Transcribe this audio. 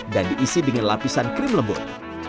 dan diisi dengan lapisan krim lembut